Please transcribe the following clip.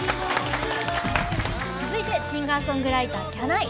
続いてシンガーソングライターきゃない。